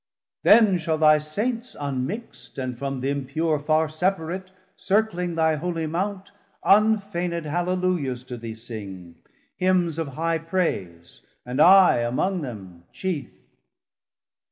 Then shall thy Saints unmixt, and from th' impure Farr separate, circling thy holy Mount Unfained Halleluiahs to thee sing, Hymns of high praise, and I among them chief.